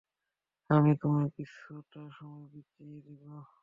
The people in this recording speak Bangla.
আমি তোমার কিছুটা সময় বাচিঁয়ে দিবো।